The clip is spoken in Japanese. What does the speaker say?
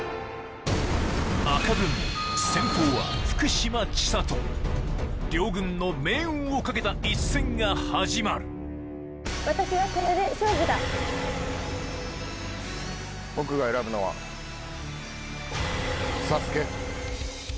赤軍先鋒は福島千里両軍の命運をかけた一戦が始まる僕が選ぶのは佐助。